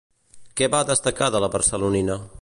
Què va destacar de la barcelonina?